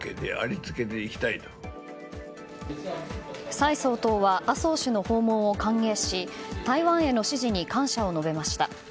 蔡総統は麻生氏の訪問を歓迎し台湾への支持に感謝を述べました。